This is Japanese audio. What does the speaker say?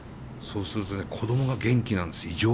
そうするとね子供が元気なんですよ